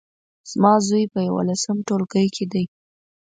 زما زوی په يولسم ټولګي کې دی